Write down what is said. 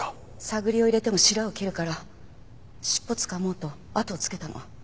探りを入れてもしらを切るから尻尾つかもうと後をつけたの。